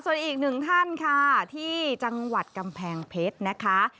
ส่วนอีกหนึ่งท่านค่ะที่จังหวัดกำแพงเพชรนะคะ